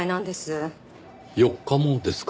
４日もですか？